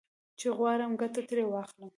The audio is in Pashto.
چې غواړم ګټه ترې واخلم.